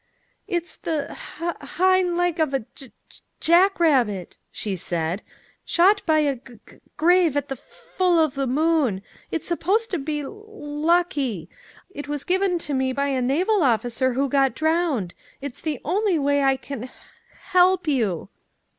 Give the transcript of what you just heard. "It's the h h hindleg of a j j jack rabbit," she said, "shot by a g g grave at the f f full of the moon. It's supposed to be l l lucky. It was given to me by a naval officer who got drowned. It's the only way I can h h help you!"